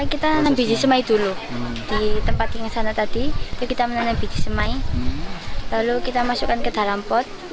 kita lebih semai dulu di tempat yang sana tadi kita lebih semai lalu kita masukkan ke dalam pot